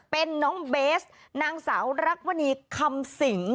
เป็นน้องเบสนางสาวรักมณีคำสิง